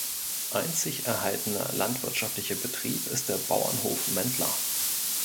Einzig erhaltener landwirtschaftlicher Betrieb ist der Bauernhof Mentler.